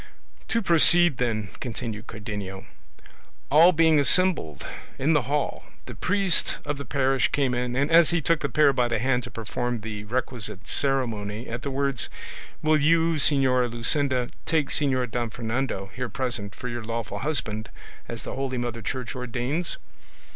"To proceed, then," continued Cardenio: "all being assembled in the hall, the priest of the parish came in and as he took the pair by the hand to perform the requisite ceremony, at the words, 'Will you, Señora Luscinda, take Señor Don Fernando, here present, for your lawful husband, as the holy Mother Church ordains?